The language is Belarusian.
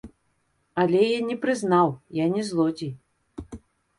Але я не прызнаў, я не злодзей.